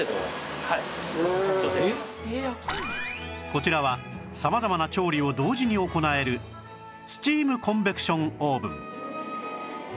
こちらは様々な調理を同時に行えるスチームコンベクションオーブン